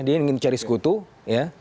dia ingin cari sekutu ya